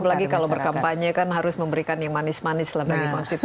apalagi kalau berkampanye kan harus memberikan yang manis manis lagi